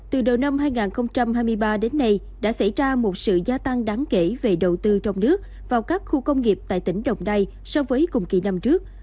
từ đầu năm hai nghìn hai mươi ba đến nay đã xảy ra một sự gia tăng đáng kể về đầu tư trong nước vào các khu công nghiệp tại tỉnh đồng nai so với cùng kỳ năm trước